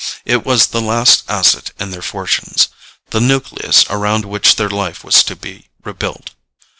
It was the last asset in their fortunes, the nucleus around which their life was to be rebuilt.